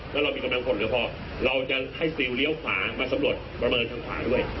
แล้วเรามีกำลังพลเหลือพอเราจะให้ซิลเลี้ยวขวามาสำรวจประเมินทางขวาด้วย